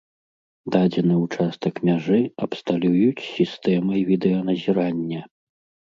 Дадзены ўчастак мяжы абсталююць сістэмай відэаназірання.